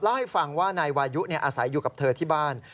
เล่าให้ฟังว่านายวายุอาศัยอยู่กับเธอที่บ้าน